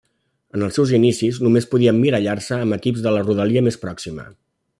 En els seus inicis, només podia emmirallar-se amb equips de la rodalia més pròxima.